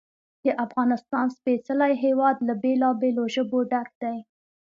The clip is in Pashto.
د افغانستان سپېڅلی هېواد له بېلابېلو ژبو ډک دی.